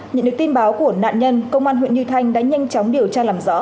nhận được tin báo của nạn nhân công an huyện như thanh đã nhanh chóng điều tra làm rõ